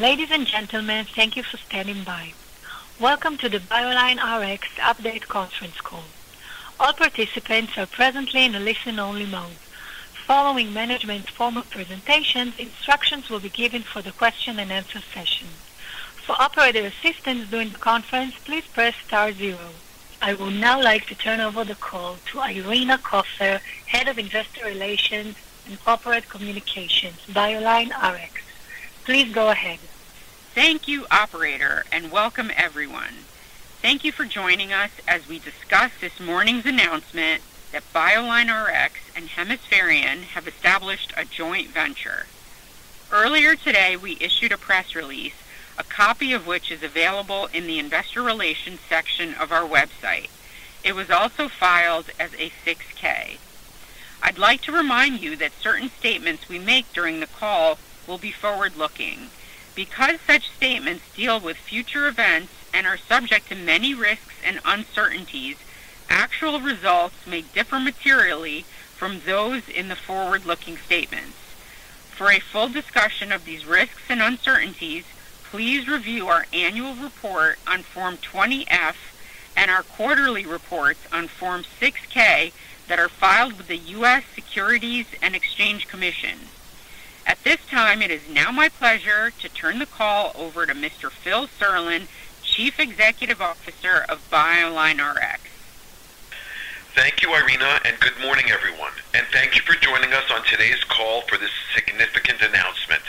Ladies and gentlemen, thank you for standing by. Welcome to the BioLineRx Update Conference Call. All participants are presently in a listen-only mode. Following management's formal presentations, instructions will be given for the question and answer session. For operator assistance during the conference, please press star zero. I would now like to turn over the call to Irina Koffler, Head of Investor Relations and Corporate Communications at BioLineRx. Please go ahead. Thank you, operator, and welcome everyone. Thank you for joining us as we discuss this morning's announcement that BioLineRx and Hemispherian have established a joint venture. Earlier today, we issued a press release, a copy of which is available in the Investor Relations section of our website. It was also filed as a 6-K. I'd like to remind you that certain statements we make during the call will be forward-looking. Because such statements deal with future events and are subject to many risks and uncertainties, actual results may differ materially from those in the forward-looking statement. For a full discussion of these risks and uncertainties, please review our annual report on Form 20-F and our quarterly reports on Form 6-K that are filed with the U.S. Securities and Exchange Commission. At this time, it is now my pleasure to turn the call over to Mr. Phil Serlin, Chief Executive Officer of BioLineRx. Thank you, Irina, and good morning everyone, and thank you for joining us on today's call for this significant announcement.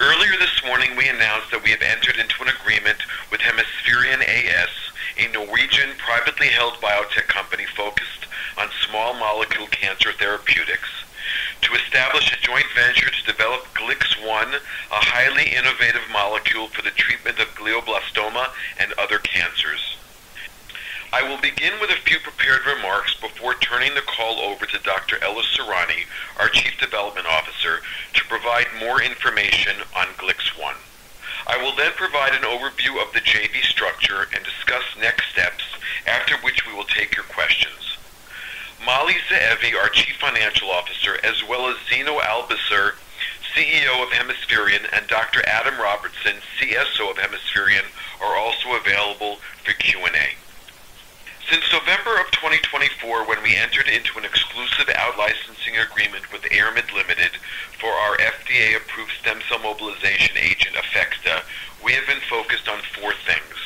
Earlier this morning, we announced that we have entered into an agreement with Hemispherian AS, a Norwegian privately held biotech company focused on small molecule cancer therapeutics, to establish a joint venture to develop GLIX1, a highly innovative molecule for the treatment of glioblastoma and other cancers. I will begin with a few prepared remarks before turning the call over to Dr. Ella Sorani, our Chief Development Officer, to provide more information on GLIX1. I will then provide an overview of the JV structure and discuss next steps, after which we will take your questions. Mali Zeevi, our Chief Financial Officer, as well as Zeno Albisser, CEO of Hemispherian, and Dr. Adam Robertson, CSO of Hemispherian, are also available for Q&A. Since November of 2024, when we entered into an exclusive out-licensing agreement with Ayrmid Limited for our FDA-approved stem cell mobilization agent APHEXDA, we have been focused on four things.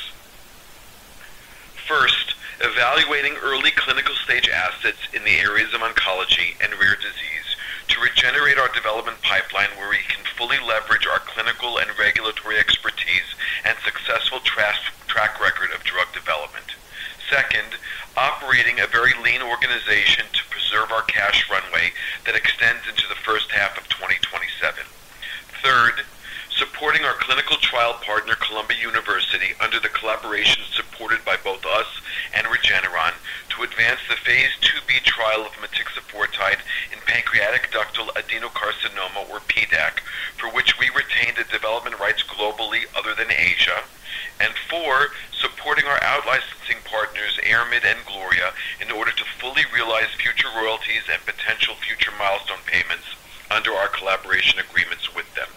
First, evaluating early clinical stage assets in the areas of oncology and rare disease to regenerate our development pipeline where we can fully leverage our clinical and regulatory expertise and successful track record of drug development. Second, operating a very lean organization to preserve our cash runway that extends into the first half of 2027. Third, supporting our clinical trial partner, Columbia University, under the collaboration supported by both us and Regeneron to advance the phase II/B trial of motixafortide in pancreatic ductal adenocarcinoma, or PDAC, for which we retained development rights globally other than Asia. Fourth, supporting our out-licensing partners, Ayrmid and Gloria, in order to fully realize future royalties and potential future milestone payments under our collaboration agreements with them.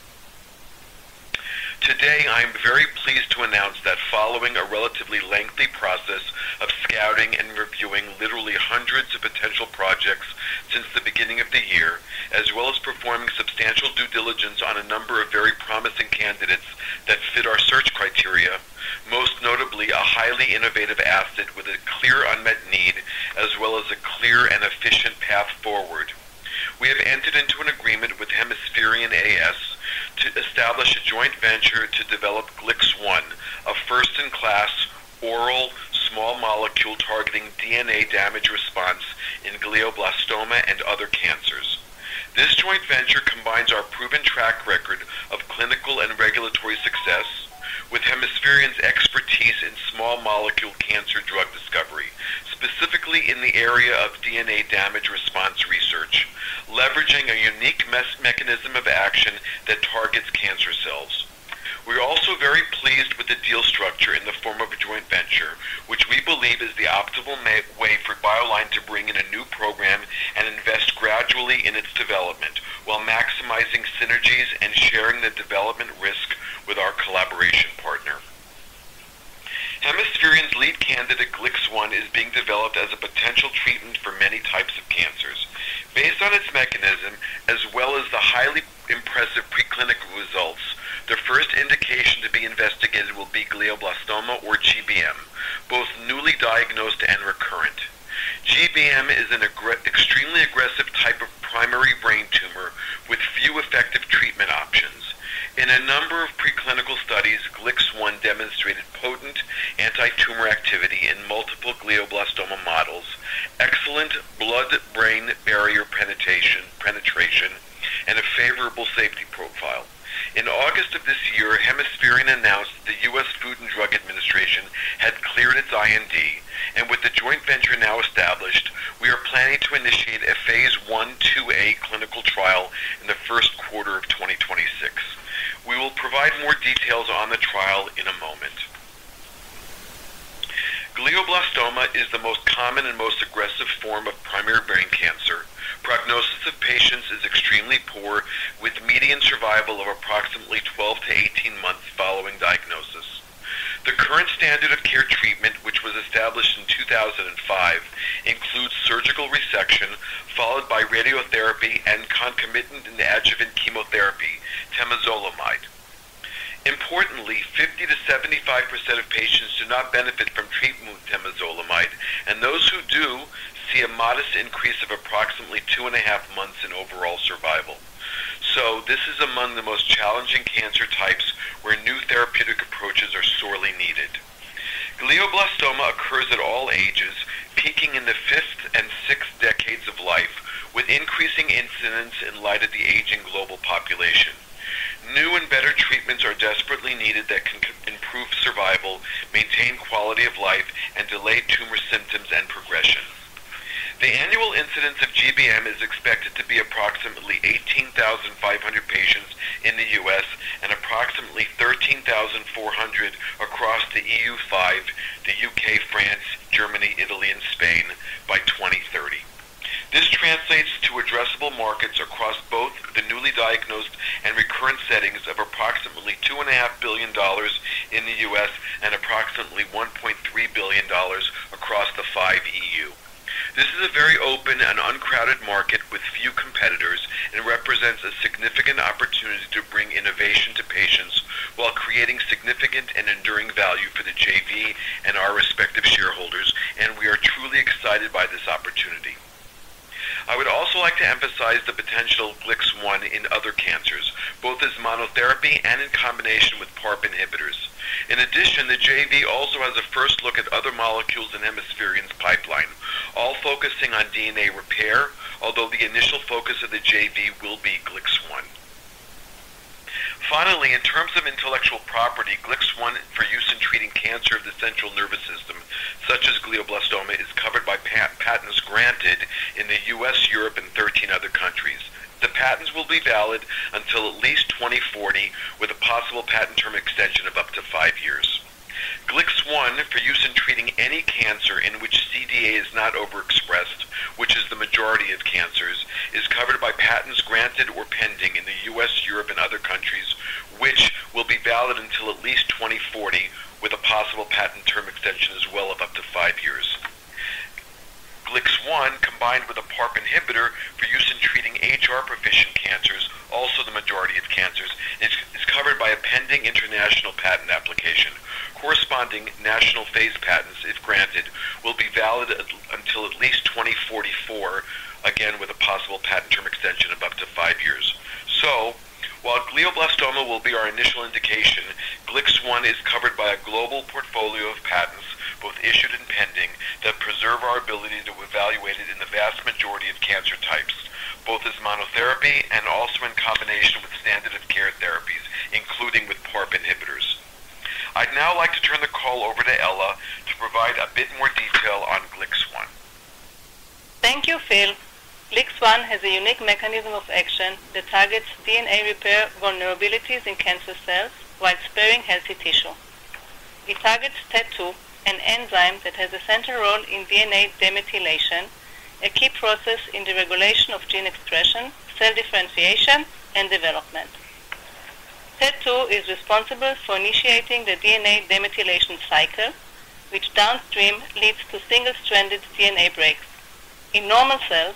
Today, I am very pleased to announce that following a relatively lengthy process of scouting and reviewing literally hundreds of potential projects since the beginning of the year, as well as performing substantial due diligence on a number of very promising candidates that fit our search criteria, most notably a highly innovative asset with a clear unmet need, as well as a clear and efficient path forward, we have entered into an agreement with Hemispherian AS to establish a joint venture to develop GLIX1, a first-in-class oral small molecule targeting DNA damage response in glioblastoma and other cancers. This joint venture combines our proven track record of clinical and regulatory success with Hemispherian's expertise in small molecule cancer drug discovery, specifically in the area of DNA damage response research, leveraging a unique mechanism of action that targets cancer cells. We are also very pleased with the deal structure in the form of a joint venture, which we believe is the optimal way for BioLine to bring in a new program and invest gradually in its development while maximizing synergies and sharing the development risk with our collaboration partner. Hemispherian's lead candidate, GLIX1, is being developed as a potential treatment for many types of cancers. Based on its mechanism, as well as the highly impressive preclinical results, the first indication to be investigated will be glioblastoma, or GBM, both newly diagnosed and recurrent. GBM is an extremely aggressive type of primary brain tumor with few effective treatment options. In a number of preclinical studies, GLIX1 demonstrated potent anti-tumor activity in multiple glioblastoma models, excellent blood-brain barrier penetration, and a favorable safety profile. In August of this year, Hemispherian announced the U.S. Food and Drug Administration had cleared its IND, and with the joint venture now established, we are planning to initiate a phase I/IIA clinical trial in the first quarter of 2026. We will provide more details on the trial in a moment. Glioblastoma is the most common and most aggressive form of primary brain cancer. Prognosis of patients is extremely poor, with median survival of approximately 12-18 months following diagnosis. The current standard of care treatment, which was established in 2005, includes surgical resection followed by radiotherapy and concomitant and adjuvant chemotherapy, temozolomide. Importantly, 50%-75% of patients do not benefit from treatment with temozolomide, and those who do see a modest increase of approximately two and a half months in overall survival. This is among the most challenging cancer types where new therapeutic approaches are sorely needed. Glioblastoma occurs at all ages, peaking in the fifth and sixth decades of life, with increasing incidence in light of the aging global population. New and better treatments are desperately needed that can improve survival, maintain quality of life, and delay tumor symptoms and progression. The annual incidence of GBM is expected to be approximately 18,500 patients in the U.S. and approximately 13,400 across the EU5—the U.K., France, Germany, Italy, and Spain—by 2030. This translates to addressable markets across both the newly diagnosed and recurrent settings of approximately $2.5 billion in the U.S. and approximately $1.3 billion across the EU5. This is a very open and uncrowded market with few competitors and represents a significant opportunity to bring innovation to patients while creating significant and enduring value for the JV and our respective shareholders, and we are truly excited by this opportunity. I would also like to emphasize the potential of GLIX1 in other cancers, both as monotherapy and in combination with PARP inhibitors. In addition, the JV also has a first look at other molecules in Hemispherian's pipeline, all focusing on DNA repair, although the initial focus of the JV will be GLIX1. Finally, in terms of intellectual property, GLIX1 for use in treating cancer of the central nervous system, such as glioblastoma, is covered by patents granted in the U.S., Europe, and 13 other countries. The patents will be valid until at least 2040, with a possible patent term extension of up to five years. GLIX1 for use in treating any cancer in which CD8 is not overexpressed, which is the majority of cancers, is covered by patents granted or pending in the U.S., Europe, and other countries, which will be valid until at least 2040, with a possible patent term extension as well of up to five years. GLIX1, combined with a PARP inhibitor for use in treating HR-proficient cancers, also the majority of cancers, is covered by a pending international patent application. Corresponding national phase patents, if granted, will be valid until at least 2044, again with a possible patent term extension of up to five years. While glioblastoma will be our initial indication, GLIX1 is covered by a global portfolio of patents, both issued and pending, that preserve our ability to evaluate it in the vast majority of cancer types, both as monotherapy and also in combination with standard of care therapies, including with PARP inhibitors. I'd now like to turn the call over to Ella to provide a bit more detail on GLIX1. Thank you, Phil. GLIX1 has a unique mechanism of action that targets DNA repair vulnerabilities in cancer cells while sparing healthy tissue. It targets TET2, an enzyme that has a central role in DNA demethylation, a key process in the regulation of gene expression, cell differentiation, and development. TET2 is responsible for initiating the DNA demethylation cycle, which downstream leads to single-stranded DNA breaks. In normal cells,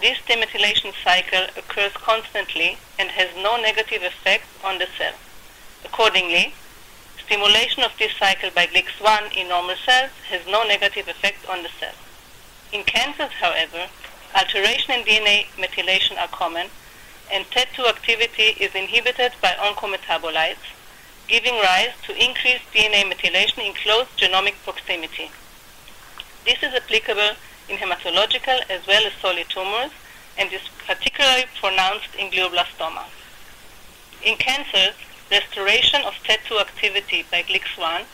this demethylation cycle occurs constantly and has no negative effect on the cell. Accordingly, stimulation of this cycle by GLIX1 in normal cells has no negative effect on the cell. In cancers, however, alterations in DNA methylation are common, and TET2 activity is inhibited by oncometabolites, giving rise to increased DNA methylation in close genomic proximity. This is applicable in hematological as well as solid tumors and is particularly pronounced in glioblastoma. In cancers, the restoration of TET2 activity by GLIX1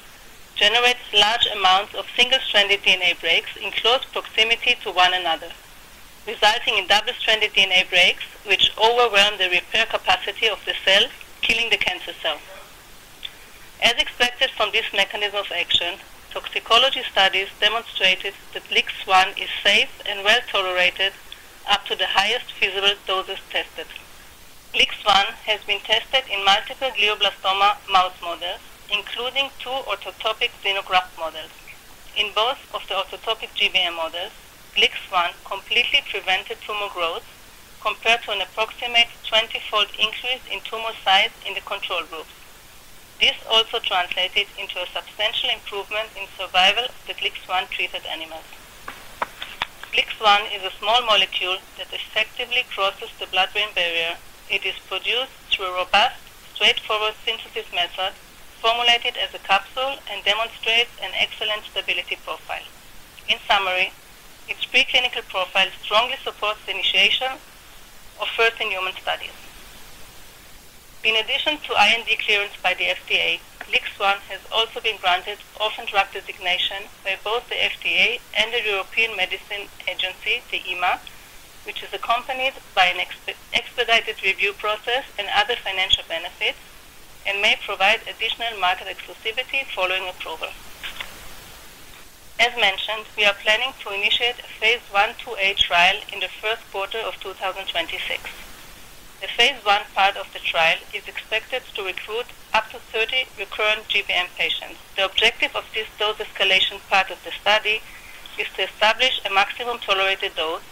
generates large amounts of single-stranded DNA breaks in close proximity to one another, resulting in double-stranded DNA breaks which overwhelm the repair capacity of the cell, killing the cancer cell. As expected from this mechanism of action, toxicology studies demonstrated that GLIX1 is safe and well-tolerated up to the highest feasible doses tested. GLIX1 has been tested in multiple glioblastoma mouse models, including two orthotopic xenograft models. In both of the orthotopic GBM models, GLIX1 completely prevented tumor growth, compared to an approximate 20-fold increase in tumor size in the control groups. This also translated into a substantial improvement in survival of the GLIX1-treated animals. GLIX1 is a small molecule that effectively crosses the blood-brain barrier. It is produced through a robust, straightforward synthesis method, formulated as a capsule, and demonstrates an excellent stability profile. In summary, its preclinical profile strongly supports the initiation of further human studies. In addition to IND clearance by the FDA, GLIX1 has also been granted orphan drug designation by both the FDA and the European Medicines Agency, the EMA, which is accompanied by an expedited review process and other financial benefits, and may provide additional market exclusivity following approval. As mentioned, we are planning to initiate a phase I/IIA trial in the first quarter of 2026. The phase I part of the trial is expected to recruit up to 30 recurrent GBM patients. The objective of this dose escalation part of the study is to establish a maximum tolerated dose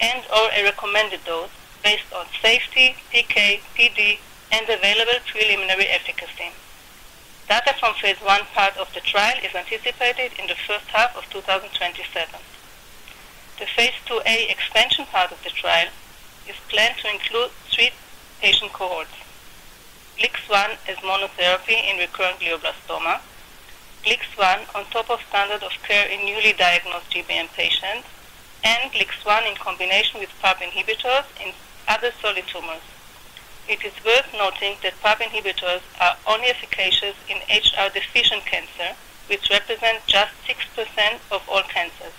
and/or a recommended dose based on safety, TK, TD, and available preliminary efficacy. Data from phase I part of the trial is anticipated in the first half of 2027. The phase IIA expansion part of the trial is planned to include three patient cohorts: GLIX1 as monotherapy in recurrent glioblastoma, GLIX1 on top of standard of care in newly diagnosed GBM patients, and GLIX1 in combination with PARP inhibitors in other solid tumors. It is worth noting that PARP inhibitors are only efficacious in HR-deficient cancer, which represents just 6% of all cancers.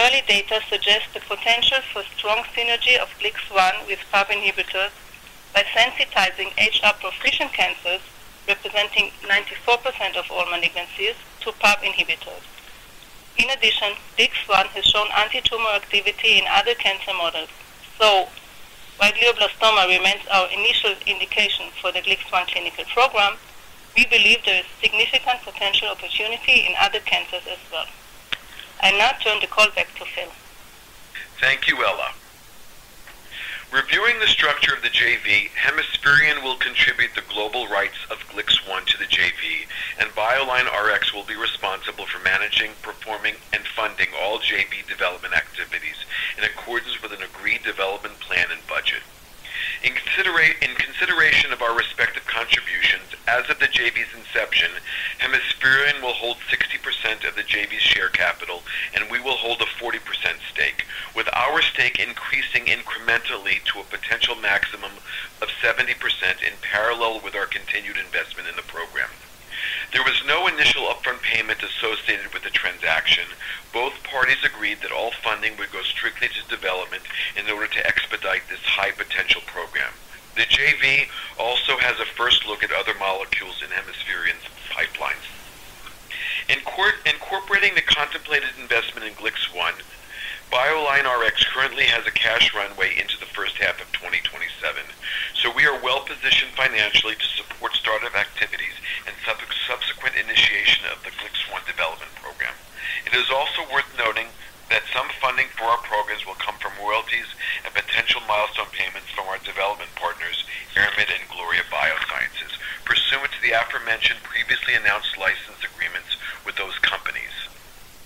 Early data suggest the potential for strong synergy of GLIX1 with PARP inhibitors by sensitizing HR-proficiency cancers, representing 94% of all malignancies, to PARP inhibitors. In addition, GLIX1 has shown anti-tumor activity in other cancer models. While glioblastoma remains our initial indication for the GLIX1 clinical program, we believe there is significant potential opportunity in other cancers as well. I now turn the call back to Phil. Thank you, Ella. Reviewing the structure of the JV, Hemispherian will contribute the global rights of GLIX1 to the JV, and BioLineRx will be responsible for managing, performing, and funding all JV development activities in accordance with an agreed development plan and budget. In consideration of our respective contributions, as of the JV's inception, Hemispherian will hold 60% of the JV's share capital, and we will hold a 40% stake, with our stake increasing incrementally to a potential maximum of 70% in parallel with our continued investment in the program. There was no initial upfront payment associated with the transaction. Both parties agreed that all funding would go strictly to development in order to expedite this high-potential program. The JV also has a first look at other molecules in Hemispherian's pipelines. Incorporating the contemplated investment in GLIX1, BioLineRx currently has a cash runway into the first half of 2027, so we are well-positioned financially to support start-up activities and subsequent initiation of the GLIX1 development program. It is also worth noting that some funding for our progress will come from royalties and potential milestone payments from our development partners, Ayrmid and Gloria Biosciences, pursuant to the aforementioned previously announced license agreements with those companies.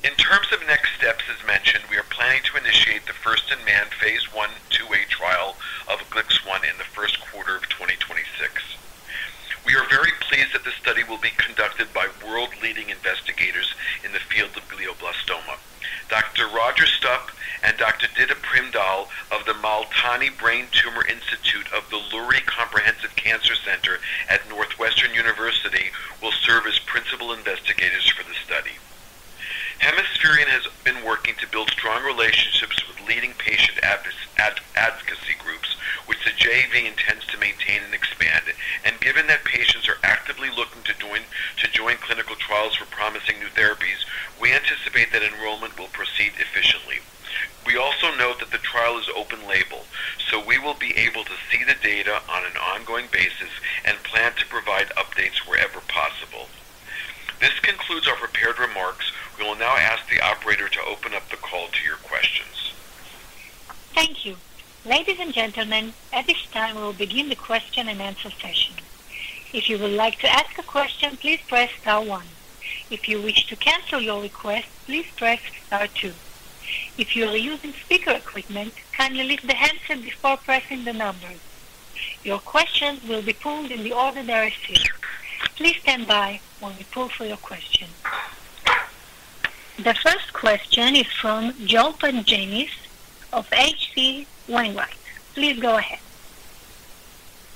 In terms of next steps, as mentioned, we are planning to initiate the first-in-man phase I/IIA trial of GLIX1 in the first quarter of 2026. We are very pleased that the study will be conducted by world-leading investigators in the field of glioblastoma. Dr. Roger Stupp and Dr. Ditte Primdahl of the Malnati Brain Tumor Institute of the Lurie Comprehensive Cancer Center at Northwestern University will serve as principal investigators for the study. Hemispherian has been working to build strong relationships with leading patient advocacy groups, which the JV intends to maintain and expand. Given that patients are actively looking to join clinical trials for promising new therapies, we anticipate that enrollment will proceed efficiently. We also note that the trial is open-label, so we will be able to see the data on an ongoing basis and plan to provide updates wherever possible. This concludes our prepared remarks. We will now ask the operator to open up the call to your questions. Thank you. Ladies and gentlemen, at this time, we will begin the question and answer session. If you would like to ask a question, please press star one. If you wish to cancel your request, please press star two. If you are using speaker equipment, kindly lift the handset before pressing the numbers. Your question will be pulled in the order they are received. Please stand by while we pull for your question. The first question is from Joe Pantginis of H.C. Wainwright. Please go ahead.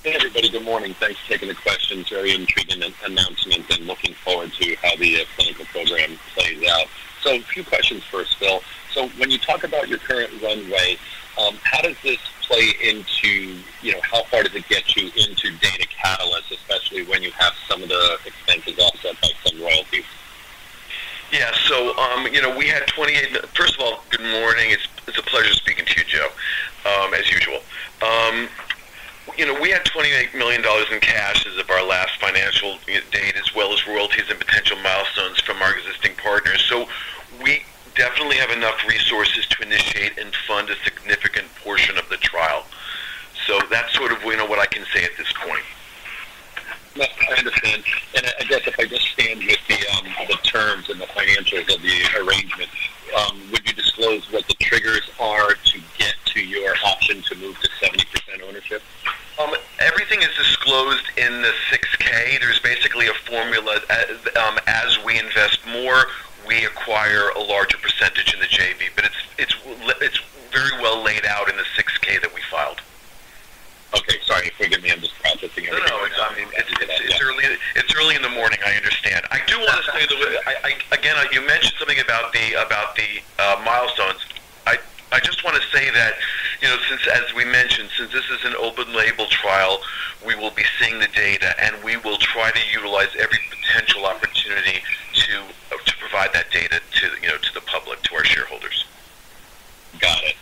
Hey, everybody. Good morning. Thanks for taking the question. It's a very intriguing announcement and looking forward to how the clinical program plays out. A few questions first, Phil. When you talk about your current runway, how does this play into, you know, how far does it get you into data catalysts, especially when you have some of the expenses offset by some royalties? Good morning. It's a pleasure speaking to you, Joe, as usual. We had $28 million in cash as of our last financial date, as well as royalties and potential milestones from our existing partners. We definitely have enough resources to initiate and fund a significant portion of the trial. That's sort of what I can say at this point. I understand. I guess if I just stand with the terms and the finances of the arrangements, would you disclose what the triggers are to get to your option to move to 70% ownership? Everything is disclosed in the 6-K. There's basically a formula: as we invest more, we acquire a larger percentage in the JV. It's very well laid out in the 6-K that we filed. Okay, sorry. Forgive me on this, prophecy. I mean, it's early in the morning. I understand. I do want to say that, again, you mentioned something about the milestones. I just want to say that, you know, since, as we mentioned, since this is an open-label trial, we will be seeing the data, and we will try to utilize every potential opportunity to provide that data to, you know, to the public, to our shareholders. Got it.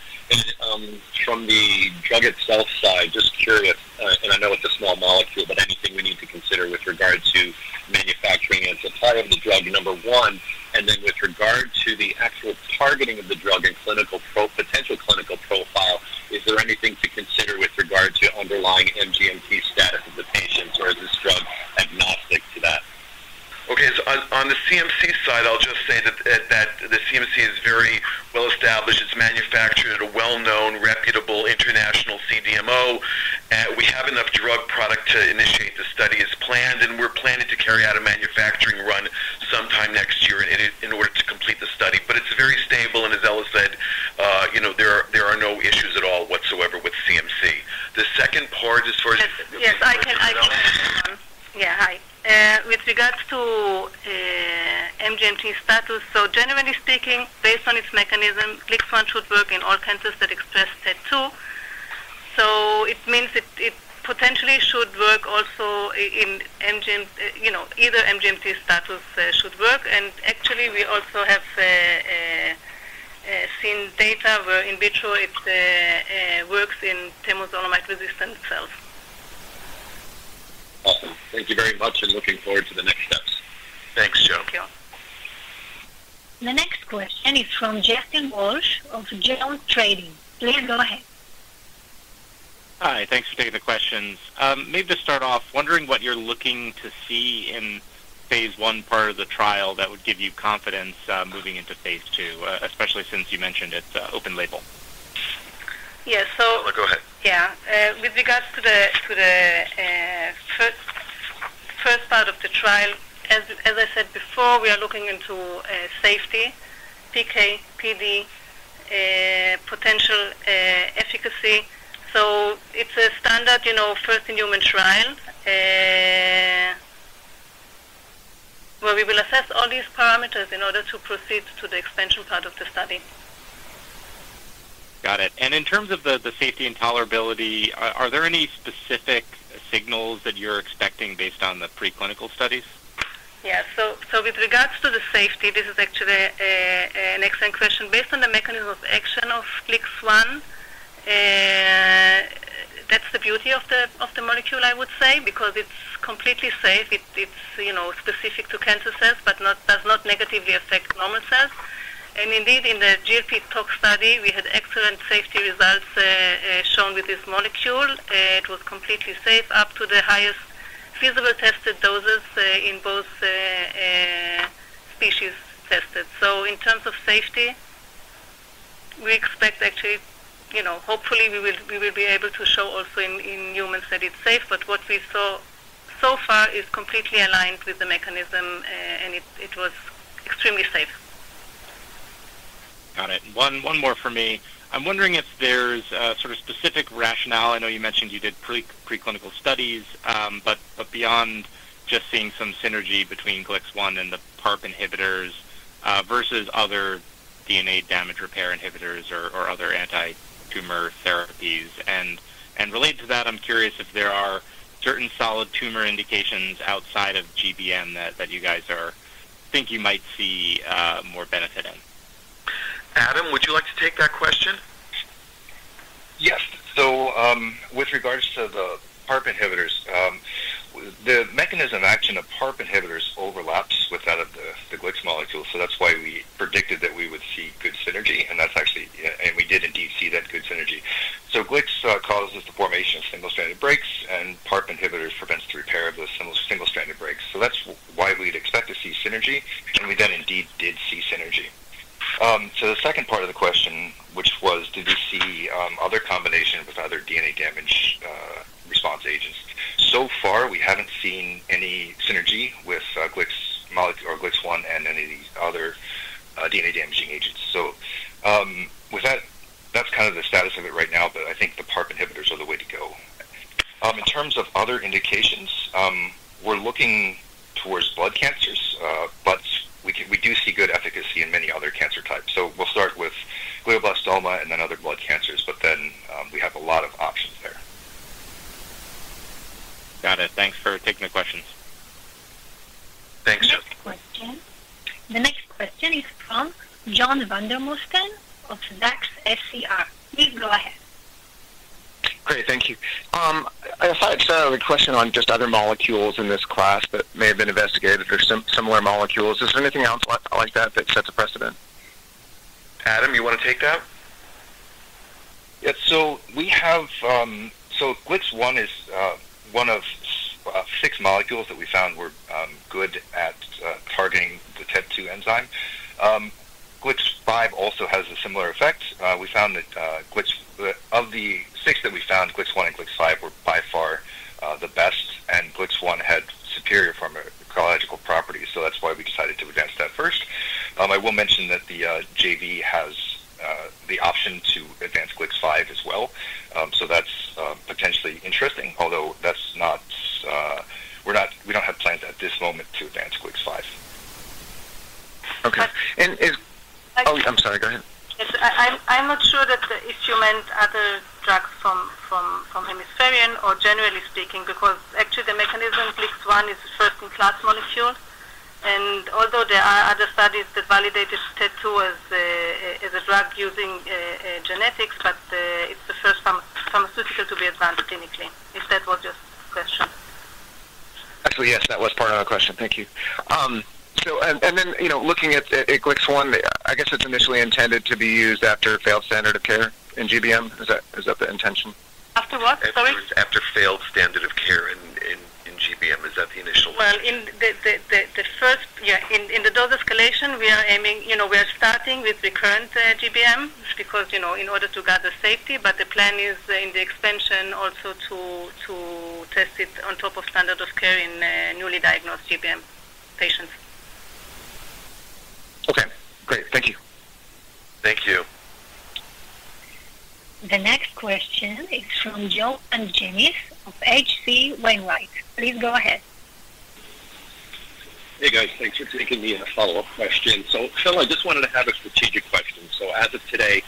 From the [GLIX1] side, just curious, and I know it's a small molecule, but anything we need to consider with regards to manufacturing it, the product of the drug, number one, and then with regard to the actual targeting of the drug and clinical potential clinical profile, is there anything to consider with regard to underlying MGMT status of the patients or is this drug agnostic to that? Okay, on the CMC side, I'll just say that the CMC is very well-established. It's manufactured at a well-known, reputable international CDMO. We have enough drug product to initiate the study as planned, and we're planning to carry out a manufacturing run sometime next year in order to complete the study. It's very stable and, as Ella said, there are no issues at all whatsoever with CMC. The second part, as far as. Yes, I can. Hi. With regards to MGMT status, generally speaking, based on its mechanism, GLIX1 should work in all cancers that express TET2. It means it potentially should work also in either MGMT status. We also have seen data where in vitro it works in temozolomide-resistant cells. Awesome. Thank you very much, and looking forward to the next steps. Thanks, Joe. The next question is from Justin Walsh of JonesTrading. Please go ahead. Hi, thanks for taking the questions. I need to start off wondering what you're looking to see in phase I part of the trial that would give you confidence moving into phase II, especially since you mentioned it's open label. Yeah, so. Go ahead. Yeah, with regards to the first part of the trial, as I said before, we are looking into safety, PK, PD, potential efficacy. It's a standard, you know, first-in-human trial where we will assess all these parameters in order to proceed to the expansion part of the study. Got it. In terms of the safety and tolerability, are there any specific signals that you're expecting based on the preclinical studies? Yeah, so, with regards to the safety, this is actually an excellent question. Based on the mechanism of action of GLIX1, that's the beauty of the molecule, I would say, because it's completely safe. It's specific to cancer cells, but does not negatively affect normal cells. Indeed, in the GFP talk study, we had excellent safety results shown with this molecule. It was completely safe up to the highest feasible tested doses in both species tested. In terms of safety, we expect actually, hopefully we will be able to show also in humans that it's safe. What we saw so far is completely aligned with the mechanism, and it was extremely safe. Got it. One more for me. I'm wondering if there's sort of specific rationale. I know you mentioned you did preclinical studies, but beyond just seeing some synergy between GLIX1 and the PARP inhibitors versus other DNA damage repair inhibitors or other anti-tumor therapies, I'm curious if there are certain solid tumor indications outside of GBM that you guys think you might see more benefit in. Adam, would you like to take that question? Yes. With regards to the PARP inhibitors, the mechanism of action of PARP inhibitors overlaps with that of the GLIX molecule. That's why we predicted that we would see good synergy, and we did indeed see that good synergy. GLIX causes the formation of single-stranded breaks, and PARP inhibitors prevent the repair of those single-stranded breaks. That's why we'd expect to see synergy, and we then indeed did see synergy. To the second part of the question, which was, did we see other combinations with other DNA damage response agents? So far, we haven't seen any synergy with GLIX1 and any other DNA damaging agents. That's kind of the status of it right now, but I think the PARP inhibitors are the way to go. In terms of other indications, we're looking towards blood cancers, but we do see good efficacy in many other cancer types. We'll start with glioblastoma and then other blood cancers, but then we have a lot of options there. Got it. Thanks for taking the questions. Next question. The next question is from John Vandermosten of Zacks SCR. Please go ahead. Great, thank you. I thought I had a question on the other molecules in this class that may have been investigated, that they're similar molecules. Is there anything else like that that sets a precedent? Adam, you want to take that? Yeah, so we have, so GLIX1 is one of six molecules that we found were good at targeting the TET2 enzyme. GLIX5 also has a similar effect. We found that of the six that we found, GLIX1 and GLIX5 were by far the best, and GLIX1 had superior pharmacological properties. That's why we decided to advance that first. I will mention that the JV has the option to advance GLIX5 as well. That's potentially interesting, although we don't have plans at this moment to advance GLIX5. Okay, if. Oh, I'm sorry. Go ahead. I'm not sure if you meant other drugs from Hemispherian or generally speaking, because actually the mechanism GLIX1 is a certain class molecule. Although there are other studies that validated TET2 as a drug using genetics, it's the first pharmaceutical to be advanced clinically, if that was your question. Actually, yes, that was part of my question. Thank you. Looking at GLIX1, I guess it's initially intended to be used after failed standard of care in GBM. Is that the intention? After what? Sorry. After failed standard of care in GBM, is that the initial? In the first, yeah, in the dose escalation, we are aiming, you know, we are starting with recurrent GBM because, you know, in order to gather safety, but the plan is in the expansion also to test it on top of standard of care in newly diagnosed GBM patients. Okay, great. Thank you. Thank you. The next question is from Joe Pantginis of H.C. Wainwright. Please go ahead. Hey, guys. Thanks for taking the follow-up question. Ella, I just wanted to have a strategic question. As of today,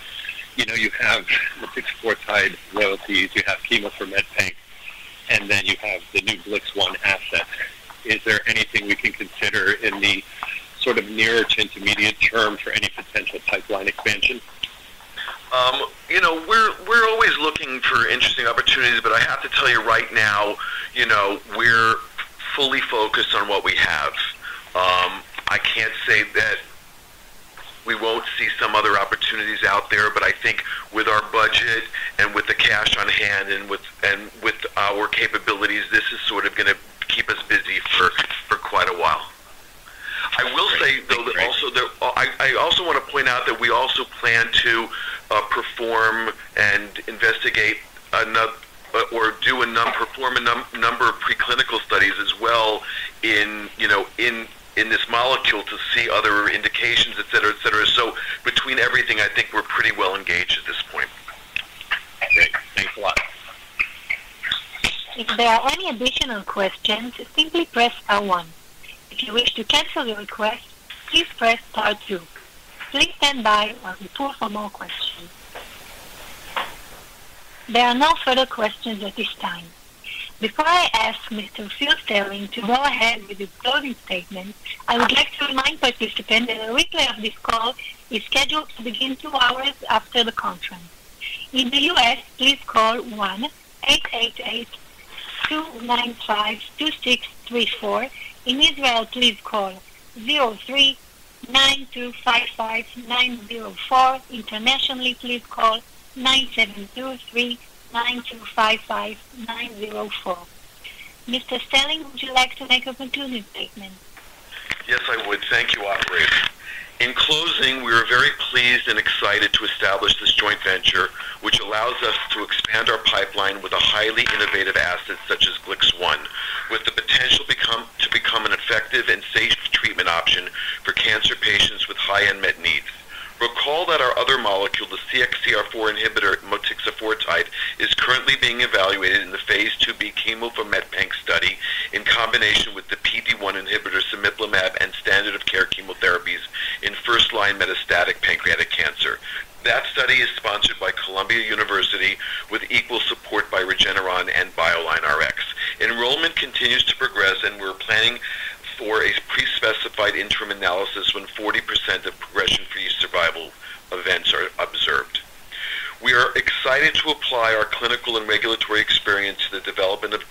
you have motixafortide royalties, you have chemo for met pain, and then you have the new GLIX1 asset. Is there anything we can consider in the nearest intermediate term for any potential pipeline expansion? You know, we're always looking for interesting opportunities, but I have to tell you right now, you know, we're fully focused on what we have. I can't say that we won't see some other opportunities out there, but I think with our budget and with the cash on hand and with our capabilities, this is sort of going to keep us busy for quite a while. I also want to point out that we also plan to perform and investigate another or perform a number of preclinical studies as well in, you know, in this molecule to see other indications, etc., etc. Between everything, I think we're pretty well engaged at this point. Great. Thanks a lot. If there are any additional questions, simply press star one. If you wish to cancel your request, please press star two. Please stand by while we pull for more questions. There are no further questions at this time. Before I ask Mr. Phil Serlin to go ahead with the closing statement, I would like to remind participants that a recap of this call is scheduled to begin two hours after the conference. In the U.S., please call 1-888-295-2634. In Israel, please call 03-9255-904. Internationally, please call 9723-9255-904. Mr. Serlin, would you like to make a conclusion statement? Yes, I would. Thank you, operator. In closing, we are very pleased and excited to establish this joint venture, which allows us to expand our pipeline with a highly innovative asset such as GLIX1, with the potential to become an effective and safe treatment option for cancer patients with high unmet needs. Recall that our other molecule, the CXCR4 inhibitor, motixafortide, is currently being evaluated in the phase IIB chemo for met pain study in combination with the PD-1 inhibitor, cemiplimab, and standard of care chemotherapies in first-line metastatic pancreatic cancer. That study is sponsored by Columbia University, with equal support by Regeneron and BioLineRx. Enrollment continues to progress, and we're planning for a pre-specified interim analysis when 40% of progression-free survival events are observed. We are excited to apply our clinical and regulatory experience to the development of